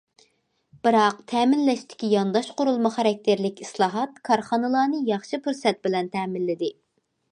بىراق تەمىنلەشتىكى يانداش قۇرۇلما خاراكتېرلىك ئىسلاھات كارخانىلارنى ياخشى پۇرسەت بىلەن تەمىنلىدى.